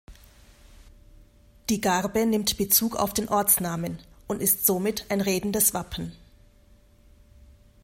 Die Garbe nimmt Bezug auf den Ortsnamen und ist somit ein redendes Wappen.